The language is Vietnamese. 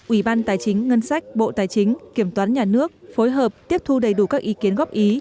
ủy ban tài chính ngân sách bộ tài chính kiểm toán nhà nước phối hợp tiếp thu đầy đủ các ý kiến góp ý